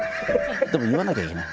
でも言わなきゃいけない。